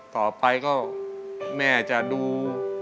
ต่อไปก็แม่จะดู